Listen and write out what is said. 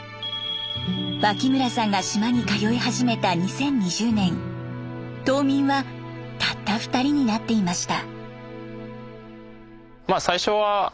脇村さんが島に通い始めた２０２０年島民はたった２人になっていました。